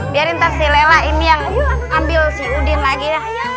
biarin nanti si lela ini yang ambil si udin lagi ya